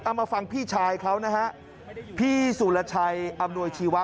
เอามาฟังพี่ชายเขาพี่สุรชัยอัมรวยชีวะ